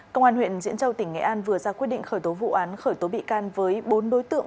công an huyện diễn châu tỉnh nghệ an vừa ra quyết định khởi tố vụ án khởi tố bị can với bốn đối tượng